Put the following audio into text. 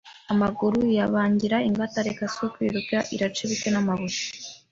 amaguru iyabangira ingata Reka si ukwiruka, iraca ibiti n'amabuye